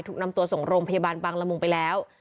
ถูกนำตัวส่งโรงพยาบาลบางละมุงไปแล้ว